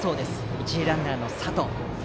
一塁ランナーの佐藤。